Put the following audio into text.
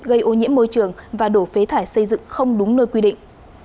gây ô nhiễm môi trường và đổ phế thải xây dựng không đúng nơi quy định